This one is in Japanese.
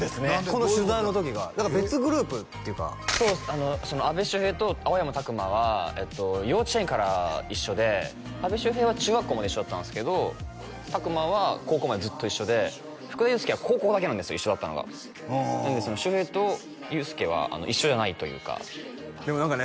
この取材の時が別グループっていうかそう阿部周平と青山拓磨は幼稚園から一緒で阿部周平は中学校まで一緒だったんですけど拓磨は高校までずっと一緒で福田裕介は高校だけなんですよ一緒だったのが周平と裕介は一緒じゃないというかでも何かね